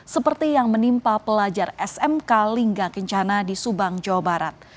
seperti yang menimpa pelajar smk lingga kencana di subang jawa barat